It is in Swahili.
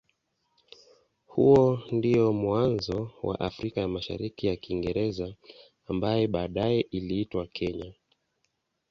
Huo ndio mwanzo wa Afrika ya Mashariki ya Kiingereza ambaye baadaye iliitwa Kenya.